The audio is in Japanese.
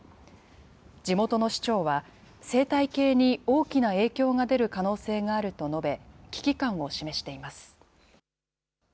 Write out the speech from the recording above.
地元の市長は、生態系に大きな影響が出る可能性があると述べ、危機感を示しています。